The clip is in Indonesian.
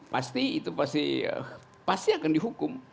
pasti itu pasti akan dihukum